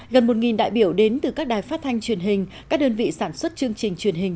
gần một đại biểu đến từ các đài phát thanh truyền hình các đơn vị sản xuất chương trình truyền hình